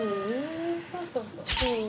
そうそうそう。